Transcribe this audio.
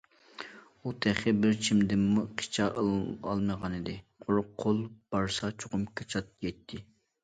ئۇ تېخى بىر چىمدىممۇ قىچا ئالمىغانىدى، قۇرۇق قول بارسا چوقۇم كاچات يەيتتى.